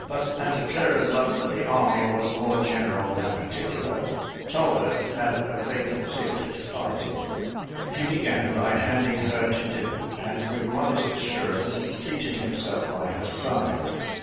But as Clara's love for the army was more general than particular, Talbot had a vacant theatre to fight in. He began by handing her to dinner, and with modest assurance seated himself by her side.